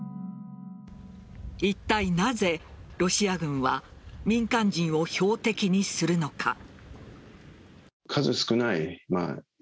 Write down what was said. いったいなぜロシア軍は民間人を標的にするのか。